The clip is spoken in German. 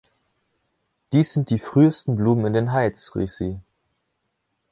„Dies sind die frühesten Blumen in den Heights“, rief sie.